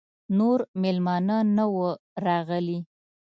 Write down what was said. نور مېلمانه نه وه راغلي.